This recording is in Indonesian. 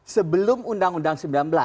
sebelum undang undang sembilan belas